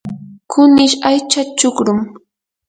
kunish aycha chukrum.